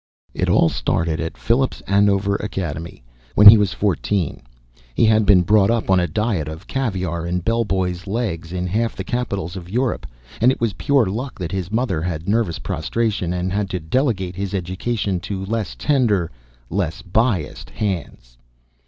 It all started at Phillips Andover Academy when he was fourteen. He had been brought up on a diet of caviar and bell boys' legs in half the capitals of Europe, and it was pure luck that his mother had nervous prostration and had to delegate his education to less tender, less biassed hands.